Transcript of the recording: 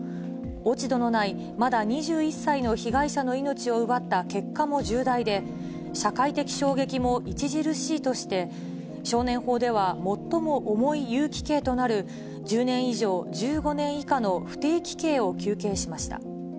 落ち度のない、まだ２１歳の被害者の命を奪った結果も重大で、社会的衝撃も著しいとして、少年法では最も重い有期刑となる、１０年以上１５年以下の不定期刑を求刑しました。